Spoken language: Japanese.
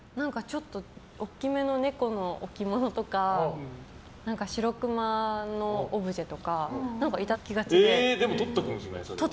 大きめの猫の置物とかシロクマのオブジェとかとっておくんですね。